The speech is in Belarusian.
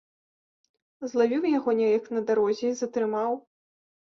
Злавіў яго неяк на дарозе і затрымаў.